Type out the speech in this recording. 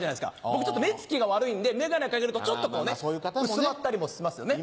僕ちょっと目つきが悪いんで眼鏡を掛けるとちょっとこう薄まったりもしますよね。